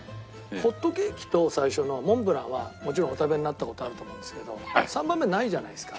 ホットケーキと最初のモンブランはもちろんお食べになった事あると思うんですけど３番目ないじゃないですか。